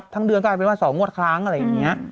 เดือนก็กลายเป็นว่า๒งวดครั้งอะไรอย่างนี้